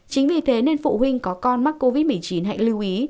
chính vì thế nên phụ huynh có con mắc covid một mươi chín hãy lưu ý